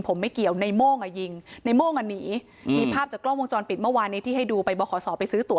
ผมไม่เกี่ยวในโม่งอ่ะยิงในโม่งอ่ะหนีมีภาพจากกล้องวงจรปิดเมื่อวานนี้ที่ให้ดูไปบขศไปซื้อตัว